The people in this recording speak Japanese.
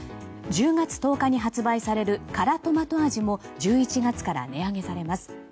１０月１０日に発売される辛トマト味も１１月から値上げされます。